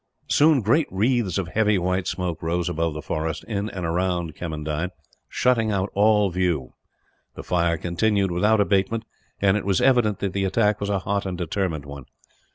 Soon great wreaths of heavy white smoke rose above the forest, in and around Kemmendine, shutting out all view. The fire continued without abatement, and it was evident that the attack was a hot and determined one.